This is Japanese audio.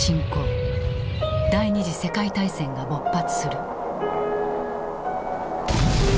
第二次世界大戦が勃発する。